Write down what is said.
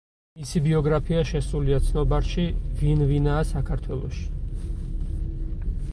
მისი ბიოგრაფია შესულია ცნობარში „ვინ ვინაა საქართველოში“.